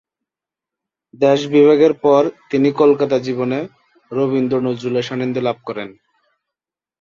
দেশ বিভাগের পর তিনি কলকাতা জীবনে রবীন্দ্র-নজরুলের সান্নিধ্য লাভ করেন।